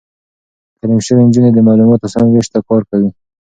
تعليم شوې نجونې د معلوماتو سم وېش ته کار کوي.